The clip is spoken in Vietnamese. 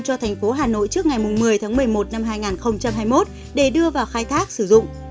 cho thành phố hà nội trước ngày một mươi tháng một mươi một năm hai nghìn hai mươi một để đưa vào khai thác sử dụng